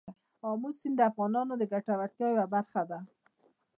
آمو سیند د افغانانو د ګټورتیا یوه برخه ده.